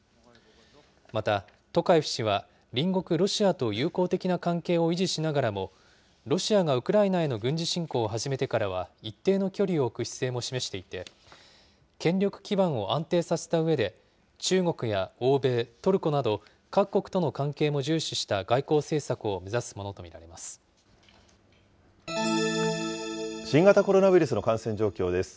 また、トカエフ氏は隣国ロシアと友好的な関係を維持しながらも、ロシアがウクライナへの軍事侵攻を始めてからは、一定の距離を置く姿勢も示していて、権力基盤を安定させたうえで、中国や欧米、トルコなど、各国との関係も重視した外交政策を目指すものと見ら新型コロナウイルスの感染状況です。